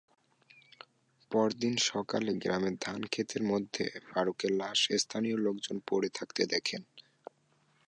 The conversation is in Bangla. পরদিন সকালে গ্রামে ধানখেতের মধ্যে ফারুকের লাশ স্থানীয় লোকজন পড়ে থাকতে দেখেন।